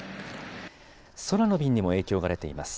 空の便にも影響が出ています。